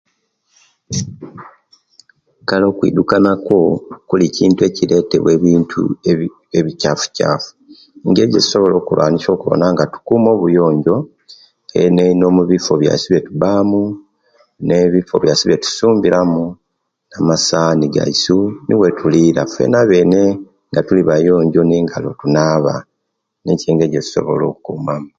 Kale okwidukana kwo kuli kintu ekiretewa ebintu ebikyafu kyafu engeri ejosobola okulwanisya okwidukana nga tukuma obuyonjo eineino mubifo byaisu ebitubamu nebifo byaisu ebitufumbiramu amasani gaisu newetulira swena abene nga tuli bayonjo nga tunaba mungalo nicho engeri ejetusonola okumamu